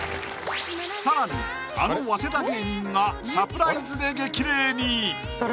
更にあの早稲田芸人がサプライズで激励に！